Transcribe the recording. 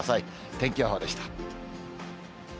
天気予報でした。